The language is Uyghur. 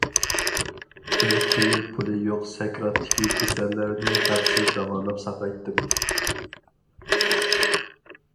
بىر تىيىن پۇلى يوق سەكراتتىكى كېسەللەرنى ھەقسىز داۋالاپ ساقايتتىم.